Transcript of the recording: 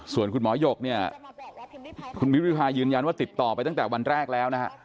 ส่วนคุณหมอหยกคุณพิมพิภายยืนยันว่าติดต่อไปตั้งแต่วันแรกแล้ว